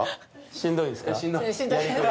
しんどいんですか？